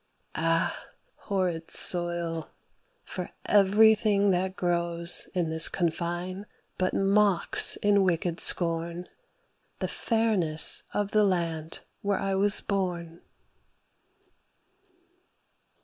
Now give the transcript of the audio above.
Ah horrid soil! for everything that grows In this confine but mocks in wicked scorn The fairness of the land where I was born.